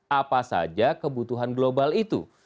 kita harus mengikuti trend global itu